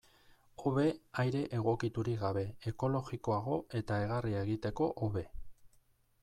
Hobe aire egokiturik gabe, ekologikoago eta egarria egiteko hobe.